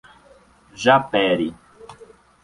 Japeri